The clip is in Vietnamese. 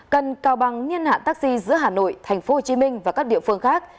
cần cao băng niên hạn taxi giữa hà nội tp hcm và các địa phương khác